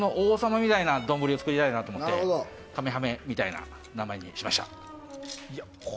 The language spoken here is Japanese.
由来な丼を作りたいなと思ってカメハメみたいな名前にしました。